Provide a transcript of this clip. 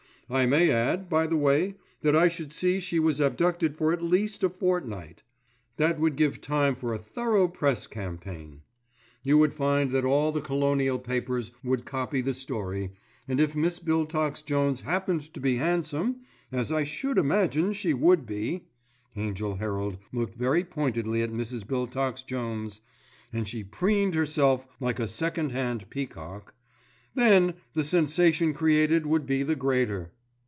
I may add, by the way, that I should see she was abducted for at least a fortnight. That would give time for a thorough Press campaign. You would find that all the Colonial papers would copy the story, and if Miss Biltox Jones happened to be handsome, as I should imagine she would be"—Angell Herald looked very pointedly at Mrs. Biltox Jones, and she preened herself like a second hand peacock—"then the sensation created would be the greater.